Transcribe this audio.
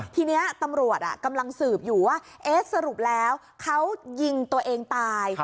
ทีนี้ตำรวจกำลังสืบอยู่ว่าเอ๊ะสรุปแล้วเขายิงตัวเองตาย